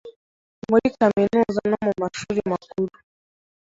Muri Kaminuza, no mu Mashuri Makuru.